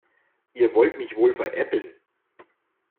Ihr wollt mich wohl veräppeln.